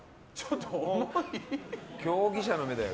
競技者の目だよ。